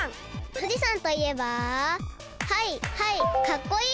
ふじさんといえばはいはいかっこいい！